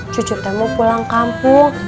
cucu teman mau pulang kampung